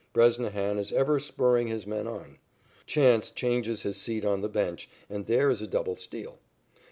Bresnahan is ever spurring his men on. Chance changes his seat on the bench, and there is a double steal.